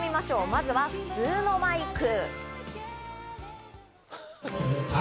まずは普通のマイク。